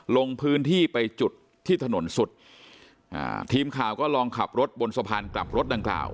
ลงพื้นที่ไปจุดที่ถนนสุดอ่าทีมข่าวก็ลองขับรถบนสะพานกลับรถดังกล่าว